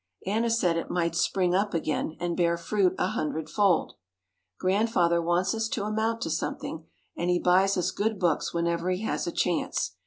Anna said it might spring up again and bear fruit a hundredfold. Grandfather wants us to amount to something and he buys us good books whenever he has a chance.